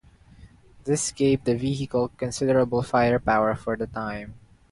This gave the vehicle considerable firepower for the time.